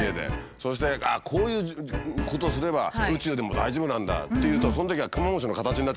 そしてこういうことをすれば宇宙でも大丈夫なんだっていうとそのときはクマムシの形になっちゃって。